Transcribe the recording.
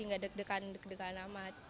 nggak deg degan deg degan amat